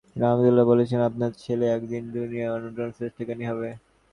তিনি আবদুল্লাহকে বলেছিলেন, "আপনার ছেলে একদিন দুনিয়ার অন্যতম শ্রেষ্ঠ জ্ঞানী হবে।